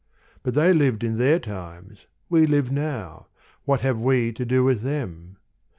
" But they lived in their times, we live now; what have we to do with them?"